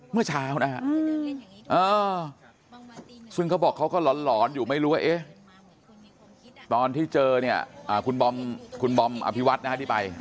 เมื่อเช้านะฮะซึ่งเขาบอกเขาก็หลอนอยู่ไม่รู้ว่าตอนที่เจอเนี่ยคุณบอมอภิวัตนะฮะที่ไป